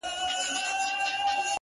زه بې له تا گراني ژوند څنگه تېر كړم؛